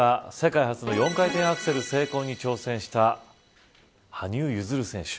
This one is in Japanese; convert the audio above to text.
続いては、世界初の４回転アクセル成功に挑戦した羽生結弦選手。